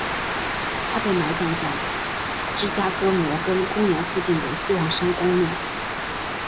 他被埋葬在芝加哥摩根公园附近的希望山公墓。